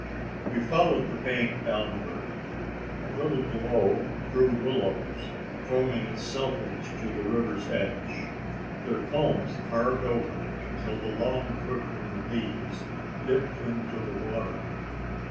We followed the bank downward. A little below grew willows, forming a selvedge to the river's edge. Their culms curved over, till the long quivering leaves dipped into the water.